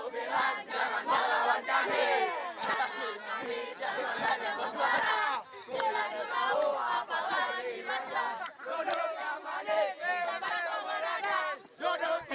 jodohnya madi sama ada pemurahan